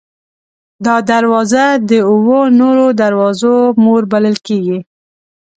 دا دروازه د اوو نورو دروازو مور بلل کېږي.